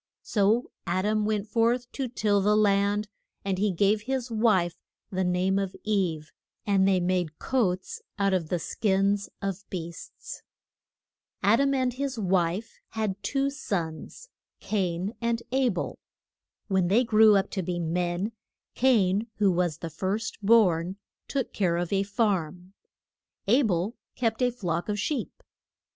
So Ad am went forth to till the land, and he gave his wife the name of Eve. And they made coats out of the skins of beasts. [Illustration: CAIN AND A BEL OF FER ING SAC RI FI CES TO GOD.] Ad am and his wife had two sons: Cain and A bel. When they grew up to be men, Cain, who was the first born, took care of a farm; A bel kept a flock of sheep.